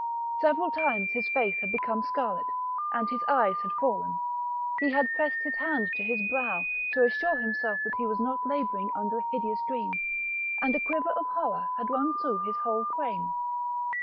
Several times his face had become scarlet, and his eyes had fallen ; he had pressed his hand to his brow, to THE MAB]£CHAL DE BETZ. 223 assure himself that he was not labouring under a hideous dream, and a quiver of horror had run through his whole frame.